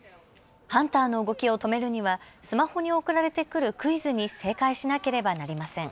ハンターの動きを止めるにはスマホに送られてくるクイズに正解しなければなりません。